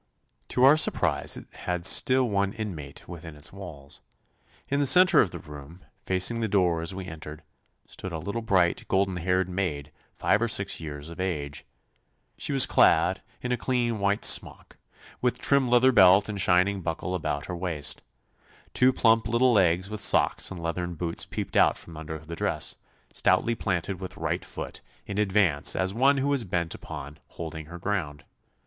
To our surprise it had still one inmate within its walls. In the centre of the room, facing the door as we entered, stood a little bright, golden haired maid, five or six years of age. She was clad in a clean white smock, with trim leather belt and shining buckle about her waist. Two plump little legs with socks and leathern boots peeped out from under the dress, stoutly planted with right foot in advance as one who was bent upon holding her ground.